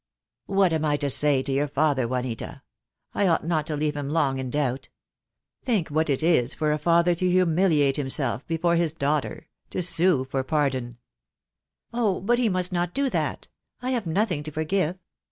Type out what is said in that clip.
"What am I to say to your father, Juanita? I ought not to leave him long in doubt. Think what it is for a father to humiliate himself before his daughter — to sue for pardon." "Oh, but he must not do that. I have nothing to forgive.